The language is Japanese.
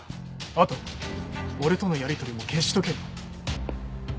あと俺とのやりとりも消しとけよ。